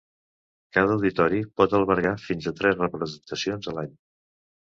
Cada auditori pot albergar fins a tres representacions a l'any.